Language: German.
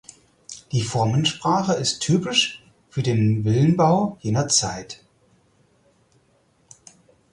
Die Formensprache ist typisch für den Villenbau jener Zeit.